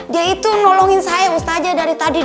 dia itu nolongin saya ustaja dari tadi